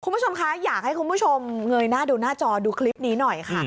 คุณผู้ชมคะอยากให้คุณผู้ชมเงยหน้าดูหน้าจอดูคลิปนี้หน่อยค่ะ